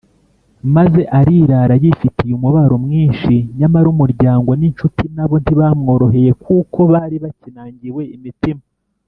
maze arirara yifitiye umubabaro mwinshi nyamara umuryango n’inshuti nabo ntibamworoheye Kuko bari bakinangiwe imitima.